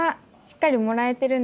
しっかりもらえてる？